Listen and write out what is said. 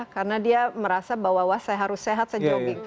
karena dia merasa bahwa saya harus sehat saya jogging